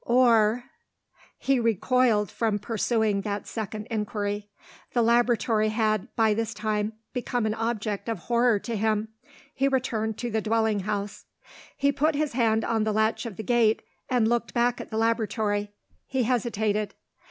Or ? He recoiled from pursuing that second inquiry. The laboratory had, by this time, become an object of horror to him. He returned to the dwelling house. He put his hand on the latch of the gate, and looked back at the laboratory. He hesitated.